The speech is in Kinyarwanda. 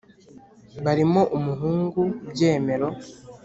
Barimo umuhungu Byemero